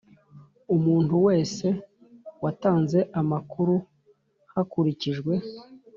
Umuntu wese watanze amakuru hakurikijwe